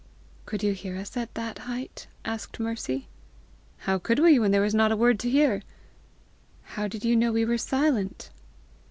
"Could you hear us at that height?" asked Mercy. "How could we when there was not a word to hear!" "How did you know we were silent?"